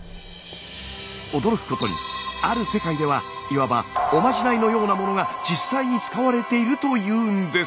驚くことにある世界ではいわばおまじないのようなものが実際に使われているというんです。